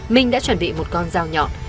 minh đã chuẩn bị một con dao nhọn